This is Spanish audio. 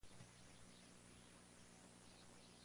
Se cree que se alimentaba de peces.